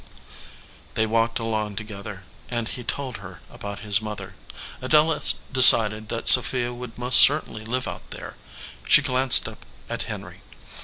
They walked along together, and he told her about his mother. Adela decided that Sophia would most certainly live out there. She glanced up at Henry.